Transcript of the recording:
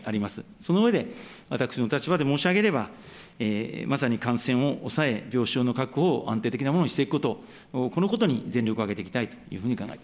その上で、私の立場で申し上げれば、まさに感染を抑え、病床の確保を安定的なものにしていくこと、このことに全力を挙げていきたい吉川君。